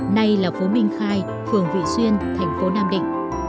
nay là phố minh khai phường vị xuyên thành phố nam định